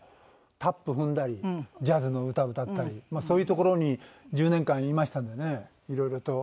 タップ踏んだりジャズの歌歌ったりそういうところに１０年間いましたんでねいろいろと。